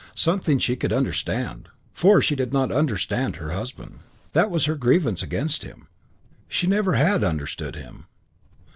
Something she could understand. For she did not understand her husband. That was her grievance against him. She never had understood him.